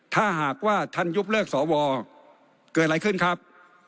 ถ้าหากว่าท่านยุบเลิกสวเกิดอะไรขึ้นครับ